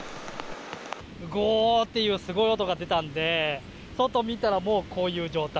ごーっていうすごい音が出たんで、外見たら、もうこういう状態。